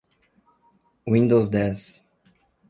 Windows dez.